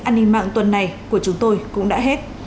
an ninh mạng tuần này của chúng tôi cũng đã hết